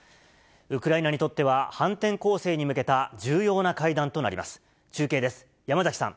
ウクライナにとっては、反転攻勢に向けた重要な会談となります。